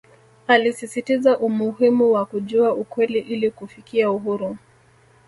Alisisitiza umuhimu wa kujua ukweli ili kufikia uhuru